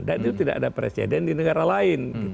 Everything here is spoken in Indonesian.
dan itu tidak ada presiden di negara lain